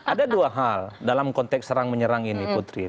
ada dua hal dalam konteks serang menyerang ini putri